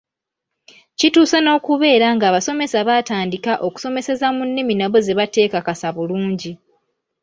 Kituuse n’okubeera ng’abasomesa baatandika okusomeseza mu nnimi nabo ze bateekakasa bulungi.